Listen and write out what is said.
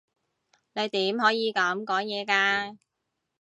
你點可以噉講嘢㗎？